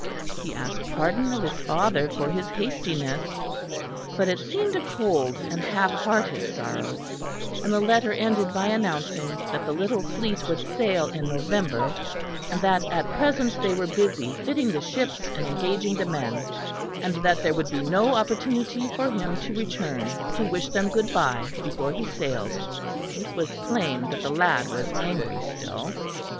He asked pardon of his father for his hastiness; but it seemed a cold and half hearted sorrow; and the letter ended by announcing that the little fleet would sail in November; and that at present they were busy fitting the ships and engaging the men; and that there would be no opportunity for him to return to wish them good bye before he sailed. It was plain that the lad was angry still.